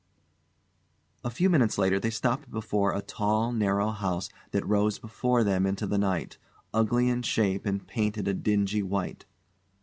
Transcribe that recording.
A few minutes later they stopped before a tall, narrow house that rose before them into the night, ugly in shape and painted a dingy white.